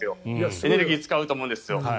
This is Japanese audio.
エネルギーを使うと思うんですよ。